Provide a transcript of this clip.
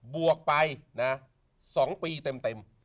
บวกไปนะ๒ปีเต็ม